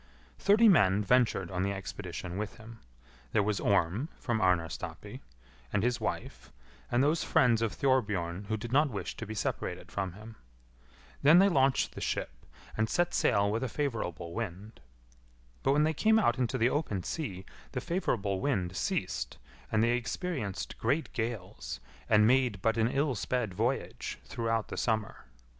Thirty men ventured on the expedition with him. There was Orm, from Arnarstapi, and his wife, and those friends of Thorbjorn who did not wish to be separated from him. Then they launched the ship, and set sail with a favourable wind. But when they came out into the open sea the favourable wind ceased, and they experienced great gales, and made but an ill sped voyage throughout the summer.